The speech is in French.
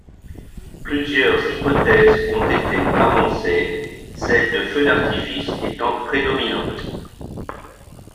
Plusieurs hypothèses ont été avancées, celle de feux d'artifice étant prédominante.